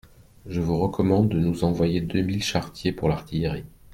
Je vous recommande de nous envoyer deux mille charretiers pour l'artillerie.